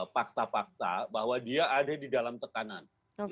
pakta pakta bahwa dia ada di dalam tekanan